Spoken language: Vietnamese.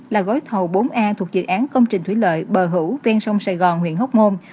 là gói thầu bốn a thuộc dự án công trình thủy lợi bờ hữu ven sông sài gòn huyện hóc môn